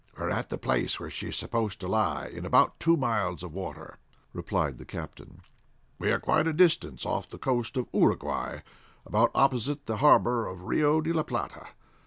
"We're at the place where she is supposed to lie, in about two miles of water," replied the captain. "We are quite a distance off the coast of Uruguay, about opposite the harbor of Rio de La Plata.